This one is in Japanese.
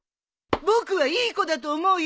僕はいい子だと思うよ！